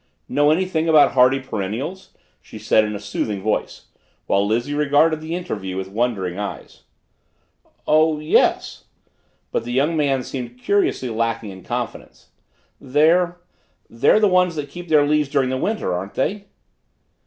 "Know anything about hardy perennials?" she said in a soothing voice, while Lizzie regarded the interview with wondering eyes. "Oh. yes," but the young man seemed curiously lacking in confidence. "They they're the ones that keep their leaves during the winter, aren't they?"